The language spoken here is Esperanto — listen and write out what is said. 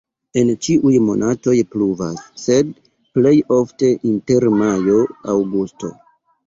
En ĉiuj monatoj pluvas, sed plej ofte inter majo-aŭgusto.